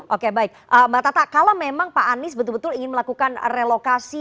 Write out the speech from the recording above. oke baik mbak tata kalau memang pak anies betul betul ingin melakukan relokasi